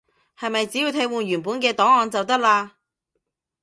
係咪只要替換原本嘅檔案就得喇？